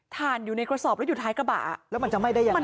ถ่านอยู่ในกระสอบแล้วอยู่ท้ายกระบะแล้วมันจะไหม้ได้ยังไง